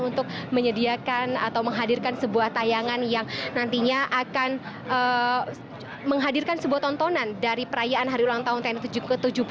untuk menyediakan atau menghadirkan sebuah tayangan yang nantinya akan menghadirkan sebuah tontonan dari perayaan hari ulang tahun tni ke tujuh puluh dua